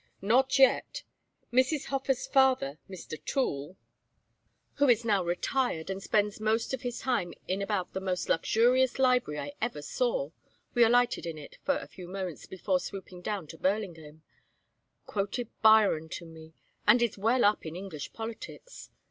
"Not yet. Mrs. Hofer's father, Mr. Toole (who is now retired and spends most of his time in about the most luxurious library I ever saw we alighted in it for a few moments before swooping down to Burlingame) quoted Byron to me and is well up in English politics.